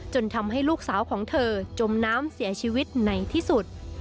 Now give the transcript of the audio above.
ทำให้ลูกสาวของเธอจมน้ำเสียชีวิตในที่สุด